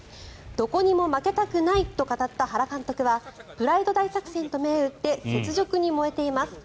どこにも負けたくないと語った原監督はプライド大作戦と銘打って雪辱に燃えています。